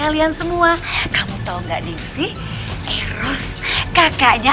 loh kok diulang